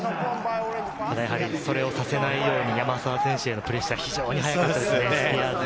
それをさせないように山沢選手へのプレッシャー、強いですね。